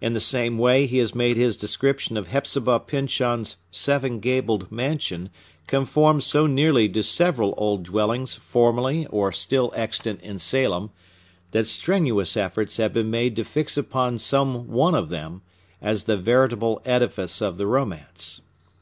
In the same way he has made his description of Hepzibah Pyncheon's seven gabled mansion conform so nearly to several old dwellings formerly or still extant in Salem, that strenuous efforts have been made to fix upon some one of them as the veritable edifice of the romance.